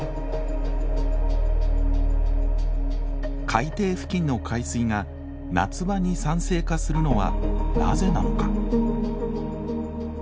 海底付近の海水が夏場に酸性化するのはなぜなのか？